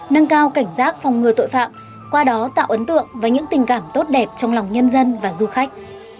nâng cao cảnh giác phòng ngừa tội phạm qua đó tạo ấn tượng và những tình cảm tốt đẹp trong lòng nhân dân và du khách